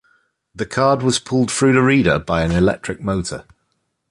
The card was pulled through the reader by an electric motor.